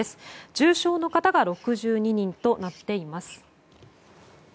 重症の方が６２人となっています。